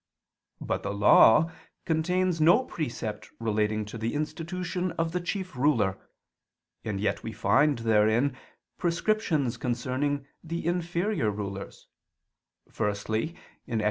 But the Law contains no precept relating to the institution of the chief ruler; and yet we find therein prescriptions concerning the inferior rulers: firstly (Ex.